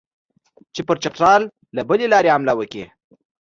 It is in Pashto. چې پر چترال له بلې لارې حمله وکړي.